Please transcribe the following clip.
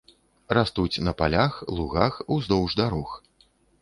Растуць на палях, лугах, уздоўж дарог.